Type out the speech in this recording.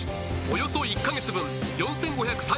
およそ１カ月分４５３６円